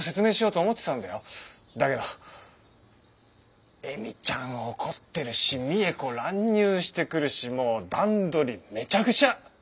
だけど恵美ちゃん怒ってるし未映子乱入してくるしもう段取りめちゃくちゃ！